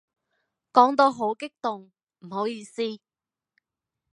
講到好激動，唔好意思